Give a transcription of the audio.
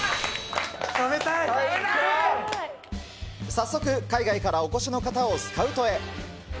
早速、海外からお越しの方をスカウトへ。